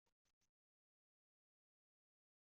John lac ɣers imduččal dani.